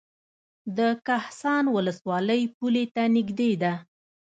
د کهسان ولسوالۍ پولې ته نږدې ده